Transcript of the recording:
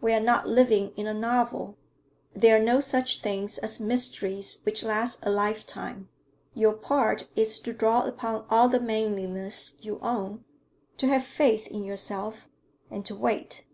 We are not living in a novel; there are no such things as mysteries which last a lifetime. Your part is to draw upon all the manliness you own, to have faith in yourself, and to wait.